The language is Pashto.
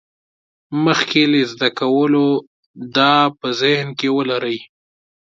مخکې له زده کولو دا په ذهن کې ولرئ.